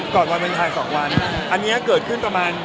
ก่อนวันวันสาปร์สองคือร้านวันเหลวแกรม